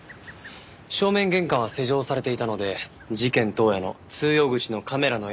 正面玄関は施錠されていたので事件当夜の通用口のカメラの映像を確認すれば。